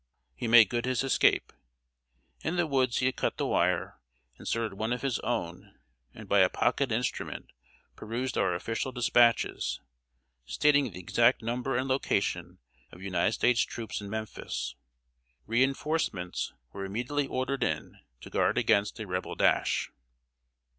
He made good his escape. In the woods he had cut the wire, inserted one of his own, and by a pocket instrument perused our official dispatches, stating the exact number and location of United States troops in Memphis. Re enforcements were immediately ordered in, to guard against a Rebel dash.